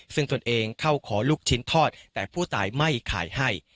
ซึ่งตนเองเข้าขอลูกชิ้นทอดแต่ผู้ตายไม่ขายให้